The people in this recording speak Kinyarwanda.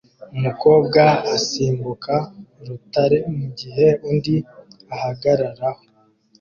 Umukobwa asimbuka urutare mugihe undi ahagararaho